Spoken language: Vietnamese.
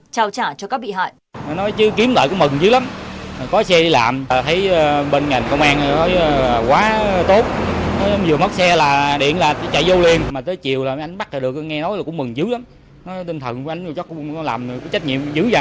trao trả cho các bị hại